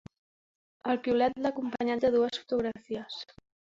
El piulet l’ha acompanyat de dues fotografies.